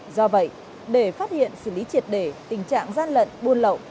do vậy để phát hiện xử lý triệt để tình trạng gian lận buôn lậu